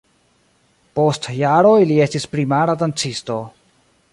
Post jaroj li estis primara dancisto.